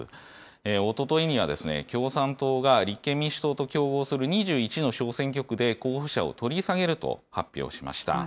おとといには、共産党が立憲民主党と競合する２１の小選挙区で候補者を取り下げると発表しました。